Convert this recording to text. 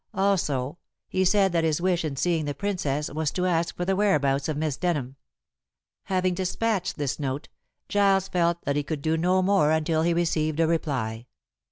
Also, he said that his wish in seeing the Princess was to ask for the whereabouts of Miss Denham. Having despatched this note, Giles felt that he could do no more until he received a reply.